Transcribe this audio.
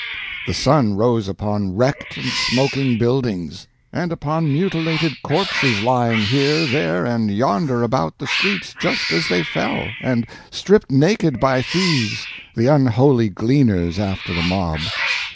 The sun rose upon wrecked and smoking buildings, and upon mutilated corpses lying here, there, and yonder about the streets, just as they fell, and stripped naked by thieves, the unholy gleaners after the mob.